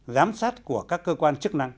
giám sát của các cơ quan chức năng